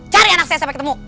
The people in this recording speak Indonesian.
cari anak saya sampai ketemu